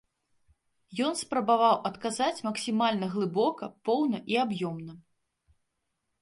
Ён спрабаваў адказаць максімальна глыбока, поўна і аб'ёмна.